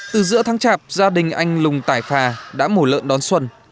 từ giữa tháng chạp gia đình anh lùng tải phà đã mổ lợn đón xuân